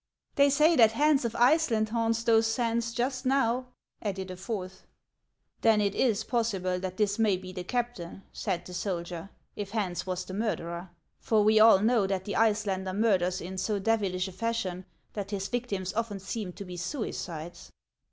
" They say that Hans of Iceland haunts those sands just now," added a fourth. " Then it is possible that this may be the captain," said the soldier, " if Hans was the murderer ; for we all know that the Icelander murders in so devilish a fashion that his victims often seem to be suicides."